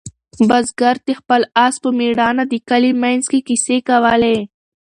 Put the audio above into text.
بزګر د خپل آس په مېړانه د کلي په منځ کې کیسې کولې.